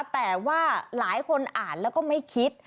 แต่ว่าหลายคนอ่านแล้วก็ไม่คิด